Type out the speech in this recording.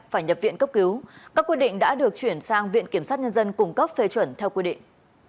phải nhập viện cấp cứu các quyết định đã được chuyển sang viện kiểm sát nhân dân cung cấp phê chuẩn theo quy định